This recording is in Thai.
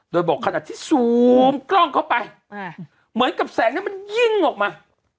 โดยบอกขนาดที่ซูมกล้องเข้าไปเหมือนกับแสงนั้นมันยิ่งออกมา